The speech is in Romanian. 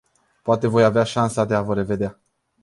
Poate voi avea șansa de a vă revedea.